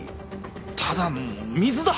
ただの水だ！